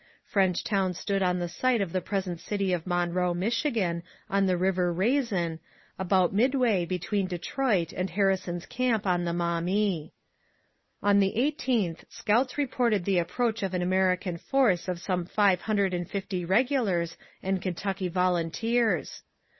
Frenchtown stood on the site of the present city of Monroe (Mich.) on the river Raisin, about midway between Detroit and Harrison's camp on the Maumee. On the 18th scouts reported the approach of an American force of some five hundred and fifty regulars and Kentucky volunteers.